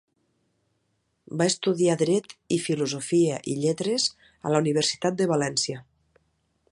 Va estudiar Dret i Filosofia i Lletres a la Universitat de València.